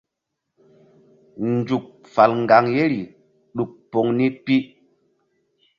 Nzuk fal ŋgaŋ yeri ɗuk poŋ ni pi.